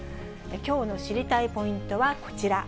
きょうの知りたいポイントはこちら。